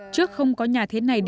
trước không có nhà thế này để ở